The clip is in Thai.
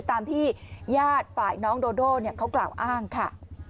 ตามที่ญาติฝ่ายน้องโดโด่เขากล่าวอ้างค่ะ